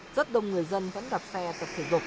rất đông người dân vẫn đạp xe tập thể dục